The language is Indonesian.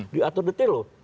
diatur detail loh